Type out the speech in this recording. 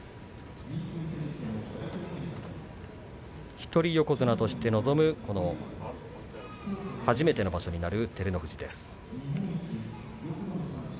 一人横綱として臨む初めての場所になる照ノ富士。